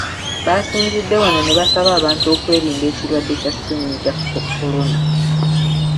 Baasinzidde wano ne basaba abantu okwerinda ekirwadde kya Ssennyiga kolona.